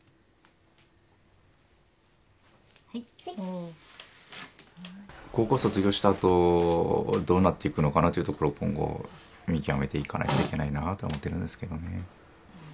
うん高校卒業したあとどうなっていくのかなというところを今後見極めていかないといけないなとは思ってるんですけどね